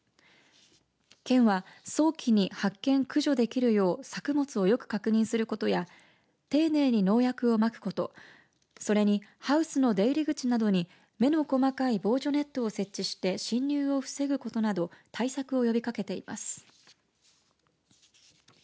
県は早期に発見駆除できるよう作物をよく確認することや丁寧に農薬をまくことそれにハウスの出入り口などに目の細かい防除ネットを設置して侵入を防ぐことなど対策を呼びかけています。